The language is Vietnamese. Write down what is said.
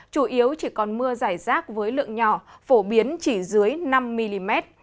chủ yếu chỉ còn mưa giải rác với lượng nhỏ phổ biến chỉ dưới năm mm